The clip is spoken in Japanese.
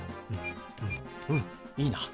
うんいいな。